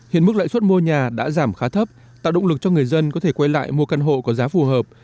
hiện mức lãi suất mua nhà đã giảm khá thấp tạo động lực cho người dân có thể quay lại mua căn hộ có giá phù hợp